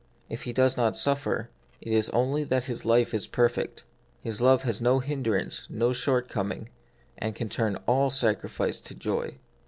If He does not suffer, it is only that His life is perfect ; His love has no hindrance, no shortcoming, and can turn all sacrifice to joy.